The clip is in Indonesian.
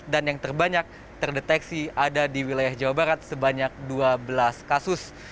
dan yang terbanyak terdeteksi ada di wilayah jawa barat sebanyak dua belas kasus